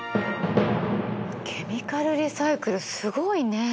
ケミカルリサイクルすごいね。